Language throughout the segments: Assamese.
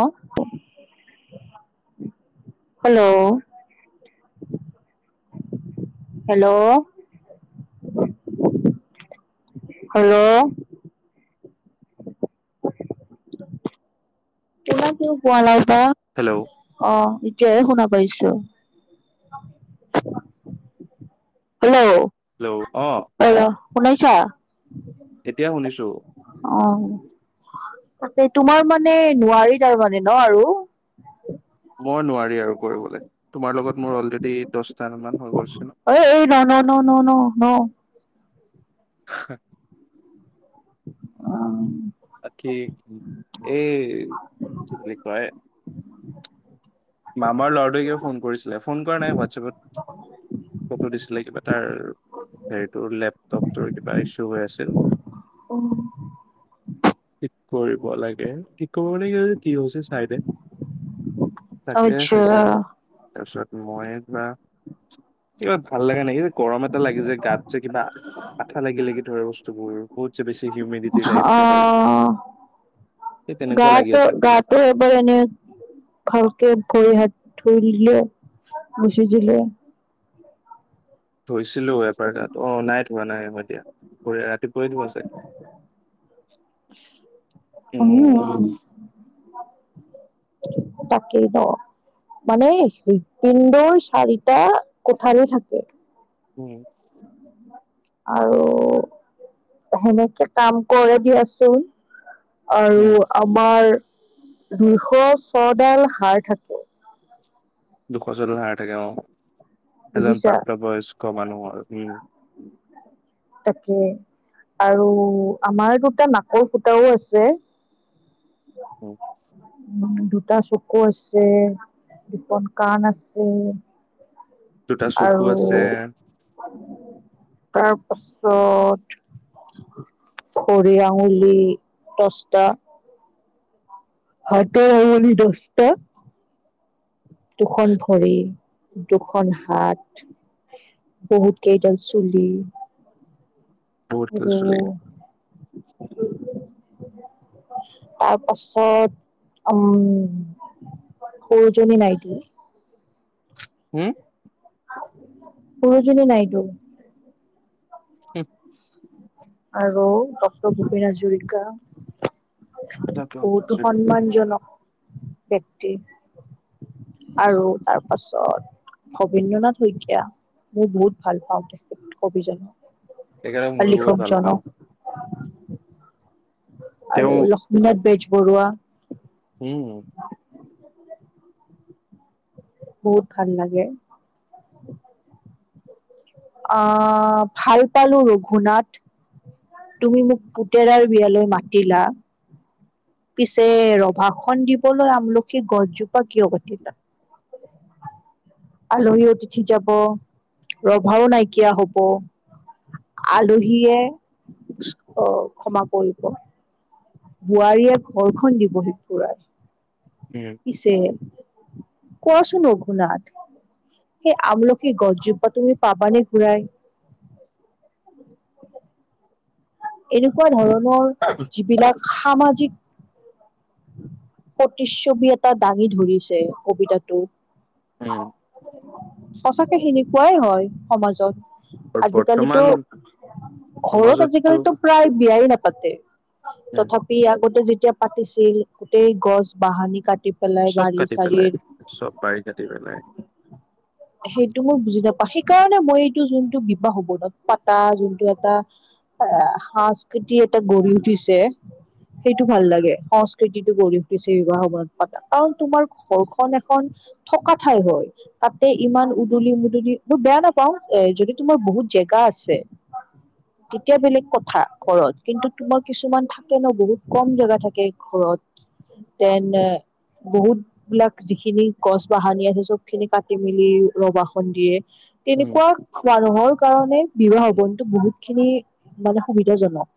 অ হেল্লৌ' হেল্লৌ' হেল্লৌ' শুনা কিয় পোৱা নাই বা? হেল্ল' অঁ এতিয়াহে শুনা পাইছো। হেল্লৌ' হেল্লৌ' অঁ। হেল্ল' শুনিছা? এতিয়া শুনিছো। অঁ' তাকে তোমাৰ মানে বোৱাৰি তাৰমানে ন আৰু? মই নোৱাৰি আৰু কৰিবলে, তোমাৰ লগত মোৰ অলৰেডি দচটামান হৈ গ'লচোন। ঐএই ন' ন' ন' ন' ন'। হেঁ। অঁ'। বাকি এই কি বুলি কয়- মামাৰ ল'ৰাটোৱে কিয় ফোন কৰিছিলে? ফোন কৰা নাই হোৱাটছএপত- ফটো দিছিলে কিবা তাৰ হেৰিটোৰ লেপটপটোৰ কিবা ইছ্যু হৈ আছিল? উম' ঠিক কৰিব লাগে, ঠিক কৰিব মানে কি হৈছে চাই দে। তাকে আচ্ছা চাইছিলো। তাৰপিছত মই ধৰা, এইবাৰ ভাল লাগা নাই। এই যে- গৰম এটা লাগে যে গাত যে কিবা আঠা লাগি লাগি ধৰে বস্তুবোৰ। বহুত যে বেছি হিউমিনিটিটাইপ। অ তেনেকুৱা লাগি গাটো আছে গাটোৱে এবল এনেই- ভালকে ভৰি হাত ধুই দিলে মচি দিলে। ধুইছিলো এবাৰ তাত, অ' নাই ধোৱা নাই হ'ব এতিয়া। ৰাতিপুৱাই ধোৱা চাগে? উম। তাকেই দ। মানে হৃৎপিণ্ডৰ চাৰিটা কোঠালী থাকে। উম'। আৰু সেনেকে কাম কৰে দিয়াচোন। উম আৰু আমাৰ দুশ ছডাল হাড় থাকে। দুশ ছদাল হাড় থাকে অঁ' এজন বুজিছা প্ৰাপ্তবয়স্ক মানুহৰ উম। তাকে, আৰু আমাৰ দুটা নাকৰ ফুতাও আছে। [inaudible] ও'। উম' দুটা চকু আছে, দুখন কাণ আছে। দুটা চকু আৰু আছে তাৰ পাছত- ভৰি আঙুলি দচতা। হাতৰ আঙুলি দচটা। দুখন ভৰি, দুখন হাত। বহুত কেইডাল চুলি। বহুত কিল চুলি [unintelligible] তাৰ পাছত উম। সৰোজনী নাইডু। হুম? সৰোজিনী নাইডু। হিপ। আৰু ডক্তৰ ভূপেন হাজৰিকা। ডাক্তৰ বহুতো কৈছে। সন্মানজনক ব্যক্তি। আৰু তাৰপাছত ভবেন্দ্ৰ নাথ শইকীয়া, মই বহুত ভাল পাওঁ তেখেত কবিজনক। তেখেতক বা মইয়ো বহুত ভাল পাওঁ। লিখকজনক আৰু তেওঁ লক্ষ্মীনাথ বেজবৰুৱা। উম বহুত ভাল লাগে। আহ ভাল পালো ৰঘুনাথ তুমি মোক পুতেৰাৰ বিয়ালৈ মাতিলা পিছে ৰভাখন দিবলৈ আমলখি গছজোপা কিয় কাটিলা। আলহী অতিথি যাব ৰভাও নাইকিয়া হব আলহীয়ে অ ক্ষমা কৰিব বোৱাৰীয়ে ঘৰখন দিবহি পুৰাই উম পিছে কোৱাচোন ৰঘুনাথ সেই আমলখি গছজোপা তুমি পাবা নে ঘূৰাই এনেকুৱা ধৰণৰ যিবিলাক সামাজিক প্ৰতিচ্ছবি এটা দাঙি ধৰিছে কবিতাটোত উম সঁচাকে সেনেকুৱাই হয় সমাজত। আৰু আজিকালিতো বৰ্তমান ঘৰত সমাজততো আজিকালিতো প্ৰায় বিয়াই নাপাতে উম তথা পিও আগতে যেতিয়া পাতিছিল গোটেই গছ বাহনি কাটি পেলাই চব বাৰী কাটি পেলাই চাৰিৰ চব বাৰী কাটি পেলাই সেইটো মই বুজি নাপাওঁ সেইকাৰণে মই এইটো যোনটো বিবাহ ভৱনত পাতা যোনটো এটা এ সংস্কৃতি এটা গঢ়ি উঠিছে সেইটো ভাল লাগে সং স্কৃতিটো গঢ়ি উঠিছে বিবাহ ভৱনত পাতা, আৰু তোমাৰ ঘৰখন এখন থকা ঠাই হয়। তাতে উম ইমান উদুলি মুদুলি মই বেয়া নাপাও এ যদি তোমাৰ বহুত জেগা আছে [inaudible] তেতিয়া বেলেগ কথা ঘৰত কিন্তু তোমাৰ কিছুমান থাকে ন বহুত কম জেগা থাকে ঘৰত তেনে বহুত বিলাক যিখিনি গছ বাহনি আছে চব খিনি কাটি মেলি ৰভাখন দিয়ে উম তেনেকুৱা মানুহৰ কাৰণে বিবাহ ভৱনটো বহুত খিনি মানে সুবিধাজনক।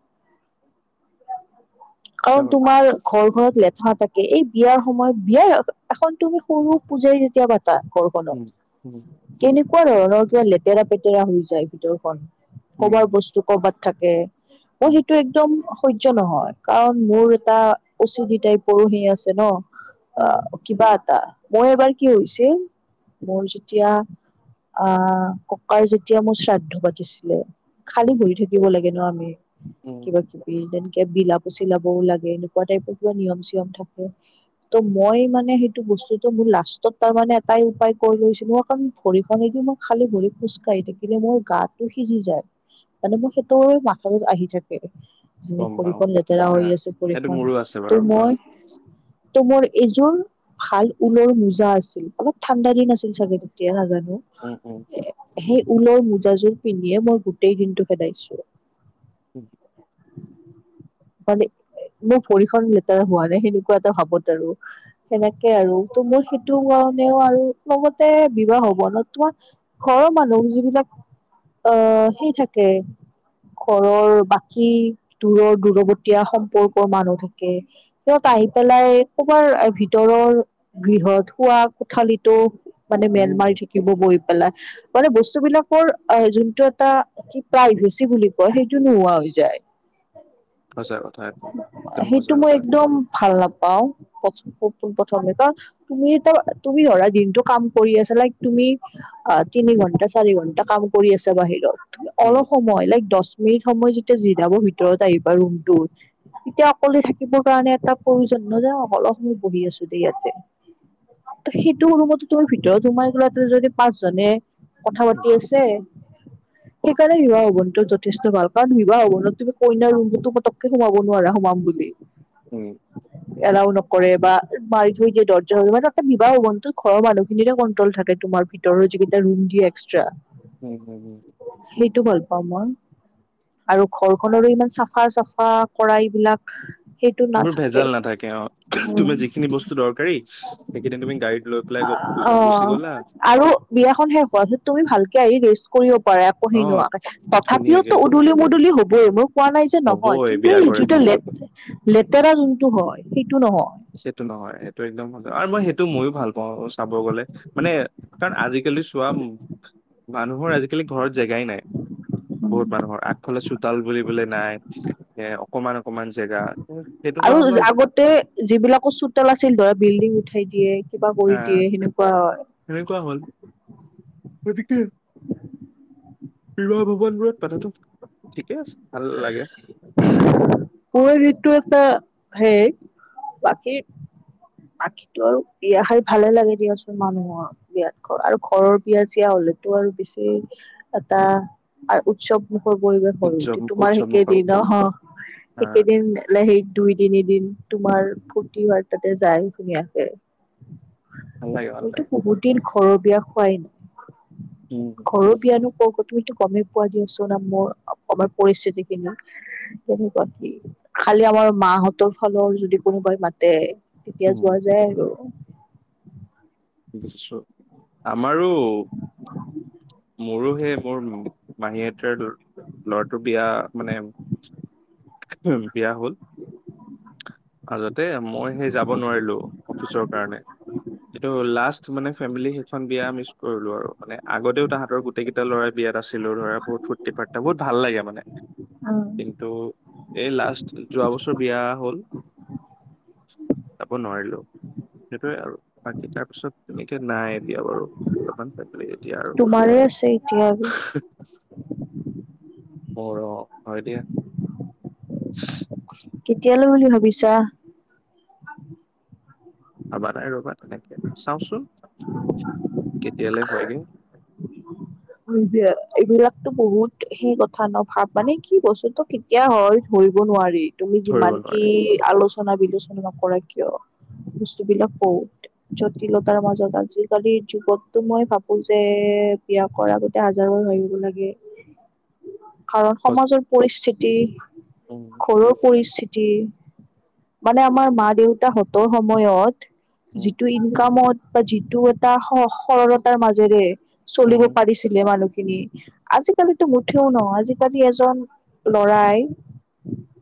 সঁচা কাৰণ কথা তোমাৰ ঘৰ খনত লেথা থাকে এই বিয়াৰ সময়ত বিয়াৰ এখন তুমি সৰু পূজাই যেতিয়া ঘৰখনত উম উম কেনেকুৱা ধৰণৰ কিবা লেতেৰা পেতেৰা হৈ যায় ভিতৰখন কবাৰ উম বস্তু কৰবাত থাকে মই উম সেইটো একদম সহ্য নহয় কাৰণ মোৰ এটা প্ৰচিটাই পৰ হৈ আছে ন উম কিবা এটা মই এবাৰ কি হৈছিল মোৰ যেতিয়া আহ ককাৰ যেতিয়া মোৰ শ্ৰাদ্ধ পাতিছিলে উম খালী ভৰি থাকিব লাগে ন আমি উম কিবা কিবি তেনেকে বিলাবও চিলাবও লাগে তেনেকুৱা টাইপৰ কিবা নিয়ম চিয়ম থাকে ত মই মানে সেইটো বস্তুটো মোৰ লাষ্টত তাৰ মানে এটাই উপায় কৰি লৈছিলো কাৰণ ভৰিখনে দি মই খালি ভৰি খোজকাঢ়ি থাকিলে মোৰ গাটো সিজি যায় মানে মোৰ সেইটো মাথাত আহি থাকে যে গম পাওঁ ভৰিখন মই। লেতেৰা হা হৈ আছে ভৰি সেইটো হয় মোৰো আছে তো বাৰু হা মই তো মোৰ এইযোৰ ভাল ঊলৰ মোজা আছিল অলপ ঠাণ্ডাৰ দিন আছিল চাগে তেতিয়া নাজানো উম উম সেই ঊলৰ মোজাযোৰ পিন্ধিয়ে মই গোটেই দিনটো কটাইছো [unintelligible] পানী মোৰ ভৰিখন লেতেৰা হোৱা নাই সেনেকুৱা এটা সময়ত আৰু সেনেকে আৰু ত মোৰ সেইটো কাৰণেও আৰু খঙতে বিবাহ ভৱনত তোমাৰ ঘৰৰ মানুহ যিবিলাক আহ সেই থাকে ঘৰৰ বাকী দূৰৰ দূৰৱতীয়া সম্পৰ্কৰ মানুহ থাকে সিহঁত আহি পেলাই কৰবাৰ ভিতৰৰ- আমি ধৰ শোৱা কোঠালিতো মানে মেল উম উম মাৰি থাকিব বহি পেলাই। মানে বস্তুবিলাকৰ আহ যোনটো এটা- কি প্ৰাইভেচি বুলি কয় সেইটো নোহোৱা হৈ যায়। সঁচা কথা একদম। একদম সঁচা সেইটো মই কথা একদম ভাল নাপাও। পোন প্ৰথমে কাৰণ তুমি এ তুমি ধৰা দিনটো কাম কৰি আছা লাইক তুমি- অ তিনি ঘণ্টা- চাৰি ঘন্টা কাম কৰি আছা বাহিৰত, তুমি উম অলপ সময় লাইক দহ মিনিট সময় যেতিয়া জিৰাব ভিতৰত আহিবা ৰুমটোৰ, তেতিয়া অকলে থাকিবৰ কাৰণে এটা প্ৰয়োজন যে অলপ সময় বহি আছো দে ইয়াতে। সেইটো ৰুমতো তোমাৰ ভিতৰত সোমাই গৈ যদি পাঁচজনে- কথা উম পাতি আছে সেইকাৰণে বিবাহ ভৱনতো যথেষ্ট ভাল কাৰণ বিবাহ ভৱনটো তুমি কইনাৰ ৰুমটোত পটককে সোমাব- নোৱাৰা সোমাম বুলি উম হয় [inaudible] এলাও নকৰে বা মাৰি থৈ দিয়ে দৰ্জা ৰুমৰ, এটা বিবাহ ভৱনটোত ঘৰৰ মানুহখিনিৰে কন্ট্ৰল থাকে তোমাৰ ভিতৰত- ভিতৰত যিকেইটা ৰুম দিয়ে এক্সট্ৰা। উম হুম হুম সেইটো ভাল পাওঁ মই আৰু ঘৰখনৰো ইমান চাফা চাফা কৰা এইবিলাক- সেইটো এইবোৰ নাথাকে ভেজাল নাথাকে অ উম তুমি যিখিনি বস্তু দৰকাৰী- সেইখিনি তুমি গাড়িত লৈ পেলাই অ গুচি গলা। আৰু বিয়াখন শেষ হোৱাৰ পিছত তুমি ভালকে আহি ৰেষ্ট কৰিব পাৰে একো অ সেই নোহোৱাকৈ তথাপিও ধুনীয়াকে তো উদুলি মুদূলি হবই মই কোৱা নাই যে নহয়- হ'বই কিন্তু বিয়াঘৰ এই যিটো ল এখনত লেতেৰা যোনটো হয় সেইটো নহয়। সেইটো নহয় সেইটো একদম ভাল আৰু মই সেইটো ময়ো ভাল পাওঁ চাব গলে। মানে কাৰণ আজিকালি চোৱা, মানুহৰ আজিকালি ঘৰত জেগাই নাই বহুত মানুহৰ আগফালে চোতাল বুলিবলে নাই অকণমান অকণমান জেগা, তেনেকুৱা আৰু অলপ আগতে যিবিলাকো চোতাল আছিল ধৰা বিল্ডিং উঠাই দিয়ে কিবা কৰি দিয়ে সেনেকুৱা হয় সনেকোৱা হ'ল, গতিকে বিবাহ ভৱনবোৰৰ কথাটো ঠিকে আছে ভাল লাগে কৈ ঋতু এটা সেই বাকী- বাকীটো আৰু বিয়া খাই ভালে লাগে দিয়াচোন মানুহৰ বিয়াত ঘৰ আৰু ঘৰৰ বিয়া-ছিয়া হলেতো আৰু বেছি এটা উৎসৱ সুখৰ পৰিৱেশ হৈ উঠে, উৎসৱ তোমাৰ উৎসৱমুখৰ সেইকেইদিন আহ সেইকেইদিন সেই দুই-তিনিদিন তোমাৰ ফূৰ্তি হয় তাতে যায় ধুনীয়াকে। ভাল লাগে ভাল মইতো লাগে বহুত দিন ঘৰৰ বিয়া খোৱাই নাই। উম। ঘৰৰ বিয়ানো কত তুমিটো গমেই পোৱা দিয়াচোন মোৰ অসমৰ পৰিস্থিতিখিনি তেনেকুৱা কি খালি আমাৰ মাহঁতৰ ফালৰ যদি কোনোবাই মাতে। তেতিয়া উম, যোৱা যায় আৰু। নিশ্চয়! আমাৰো। মোৰো সেই মোৰ মাহী এটাৰ ল'ৰাটোৰ বিয়া মানে বিয়া হ'ল। মাজতে মই সেই যাব নোৱাৰিলো অফিচৰ কাৰণে। এটো লাষ্ট মানে ফেমিলি সেইখন বিয়া মিচ কৰিলো আৰু। মানে আগতেও তাহাতৰ গোটেকেইটা ল'ৰা বিয়াত আছিলো ধৰা বহুত ফুৰ্তি ফাৰ্তা বহুত ভাল লাগে মানে। অ'। কিন্তু এই লাষ্ট যোৱা বছৰ বিয়া হ'ল। [inaudible] যাব নোৱাৰিলো। সেইটোৱে আৰু বাকী তাৰপিছত তেনেকে নাই এতিয়া বাৰু। বৰ্তমান [unintelligible] তোমাৰে আছে এতিয়া আৰু। [unintelligible] মোৰ অ' হয় দিয়া। কেতিয়ালৈ বুলি ভাবিছা? ভাবা নাই ৰবা! তেনেকে চাওচোন কেতিয়ালে হয়গে। [unintelligible] এইবিলাকতো বহুত সেই কথা ন' ভাব মানে কি বস্তুটো কেতিয়া হয় ধৰিব নোৱাৰি, তুমি ধৰিব যিমান কি নোৱাৰি আলোচনা বিলোচনা নকৰা কিয়। বস্তুবিলাক ক'ত? জটিলতাৰ মাজত আজিকালিৰ যুগততো মই ভাবো যে বিয়া কৰা আগতে হাজাৰবাৰ ভাবিব লাগে। কাৰণ সমাজৰ পৰিস্থিতি ঘৰৰ পৰিস্থি তি মানে আমাৰ মা-দেউতা হঁতৰ সময়ত যিটো ইনকামত বা যিটো এটা স-সৰলতাৰ মাজেৰে চলিব পাৰিছিলে মানুহখিনি আজিকালিতো মুঠেও নহয়। আজিকালি এজন লৰাই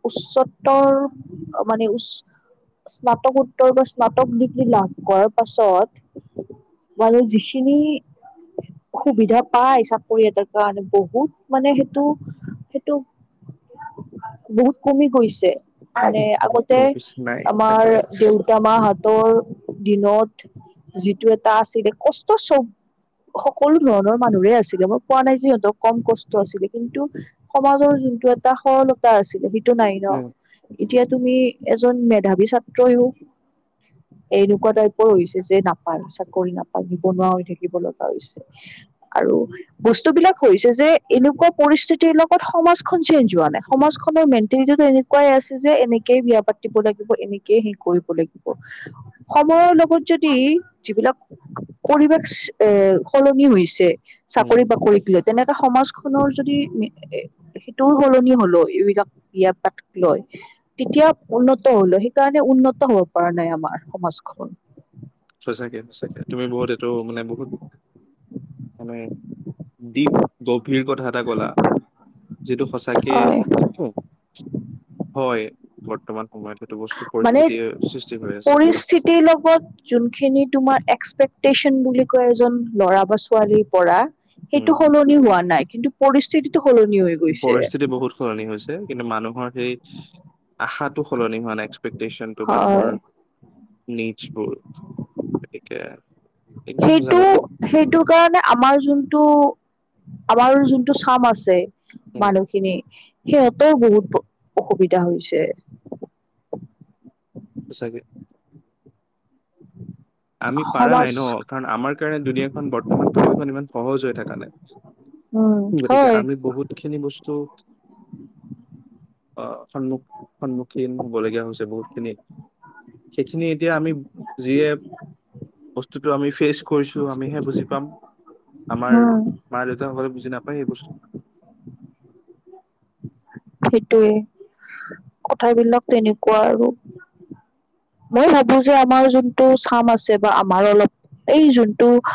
উচ্চতৰ মানে উচ স্নানাকোত্তৰ বা স্নাতক ডিগ্ৰী লাভ কৰাৰ পাছত। মানে যিখিনি সুবিধা পাই চাকৰি এটাৰ কাৰণে বহুত মানে সেইটো সেইটো বহুত কমি গৈছে। মানে আগতে অফিচ নাই আমাৰ চাকৰি দেউ [unintelligible] দিনত যিটো এটা আছিলে। কষ্ট চব সকলো ধৰণৰ মানুহৰে আছিলে মই কোৱা নাই যে সিহঁতক কম কষ্ট আছিলে। কিন্তু সমাজৰ যিতো এটা সৰলতা আছিলে সেইটো নাই ন? উম এতিয়া তুমি এজন মেধাৱী ছাত্ৰইও। এনেকুৱা টাইপৰ হৈছে যে নাপায় চাকৰি নাপায় নিবনুৱা হৈ থাকিব লগা হৈছে। আৰু বস্তু বিলাক হৈছে যে এনেকুৱা পৰিস্থিতিৰ লগত সমাজখন চেঞ্জ হোৱা নাই, সমাজখনৰ মেন্টেলিটিটো এনে কুৱাই আছে যে এনেকেই বিয়া পাতিব লাগিব, এনেকেই সেই কৰিব লাগিব। সময়ৰ লগত যদি যিবিলাক পৰিৱেশ এ সলনি হৈছে উম। চাকৰি বাকৰিক লৈ তেনেকে সমাজখনৰ যদি এ এ এ সেইটো সলনি হলো এইবিলাক বিয়া পাতি লয় তেতিয়া উন্নত হল হয় সেইকাৰণে উন্নত হব পাৰা নাই আমাৰ সমাজখন সচাকে সচাকে তুমি বহুত এইটো মানে বহুত মানে দীপ গভীৰ কথা এটা কলা যিটো সঁচাকে অ হয় বৰ্তমান সময়ত সেইটো বস্তু পৰিস্থিতিৰ সৃষ্টি হৈ আছে চিটিৰ লগত যোনখিনি তোমাৰ এক্সপেকটেচন বুলি কয় এজন ল'ৰা বা ছোৱালীৰ পৰা উম সেইটো সলনি হোৱা নাই কিন্তু পৰিস্থিতিটো সলনি হৈ গৈছে পৰিস্থিতি বহুত সলনি হৈছে কিন্তু মানুহৰ সেই আশাটো সলনি হোৱা নাই এক্সপেক এস্কপেচনটো মানুহৰ হয় নিডছবোৰ গতিকে একদম সঁচা সেইটো কথা সেইটো কাৰণে আমাৰ যোনটো আমাৰ যোনটো চাম আছে উম মানুহখিনি সিহঁতও বহুত অ অসুবিধা হৈছে সঁচাকে আমি পাৰা সমাজ নাই ন কাৰণ আমাৰ কাৰণে দুুনীয়াখন বৰ্তমান পৃথিৱীখন ইমান সহজ হৈ থাকা নাই উম গতিকে আমি বহুতখিনি বস্তু উম অ সন্মুখ সন্মুখীন হবলগীয়া হৈছে বহুতখিনি সেইখিনি এতিয়া আমি যিয়ে বস্তুটো আমি ফেইচ কৰিছো আমিহে বুজি পাম আমাৰ উম মা দেউতাসকলে বুজি নাপায় এই বস্তু সেইটোৱে কথাবিলাক তেনেকুৱা আৰু মই ভাবো যে আমাৰ যোনটো চাম আছে বা আমাৰ অলপ এই যোনটো